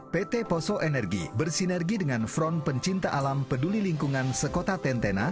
pt poso energi bersinergi dengan front pencinta alam peduli lingkungan sekota tentena